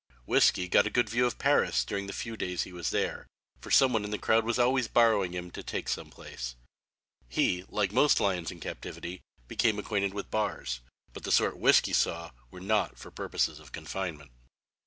"Whiskey" got a good view of Paris during the few days he was there, for some one in the crowd was always borrowing him to take him some place. He, like most lions in captivity, became acquainted with bars, but the sort "Whiskey" saw were not for purposes of confinement.